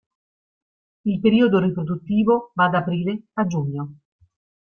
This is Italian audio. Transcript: Il periodo riproduttivo va da aprile a giugno.